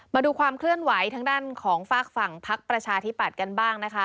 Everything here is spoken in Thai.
มาดูความเคลื่อนไหวทางด้านของฝากฝั่งพักประชาธิปัตย์กันบ้างนะคะ